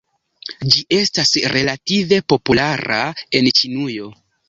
Ĝi estas relative populara en Ĉinujo.